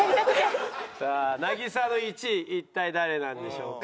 さあ渚の１位一体誰なんでしょうか？